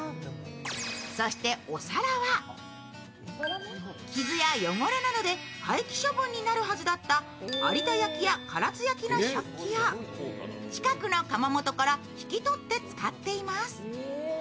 そしてお皿は、傷や汚れなどで廃棄処分になるはずだった有田焼や唐津焼の食器を近くの窯元から引き取って使っています。